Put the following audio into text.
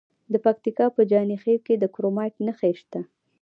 د پکتیکا په جاني خیل کې د کرومایټ نښې شته.